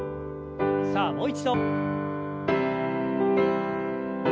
さあもう一度。